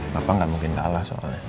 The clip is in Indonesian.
papa gak mungkin kalah soalnya